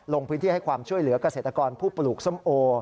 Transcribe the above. ลงพื้นที่ให้ความช่วยเหลือกเกษตรกรผู้ปลูกส้มโอ